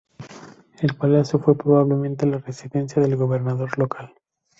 El palacio fue probablemente la residencia del gobernador local.